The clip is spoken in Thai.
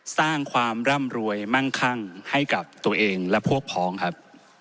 สร้างความร่ำรวยมั่งคั่งให้กับตัวเองและพวกพ้องครับ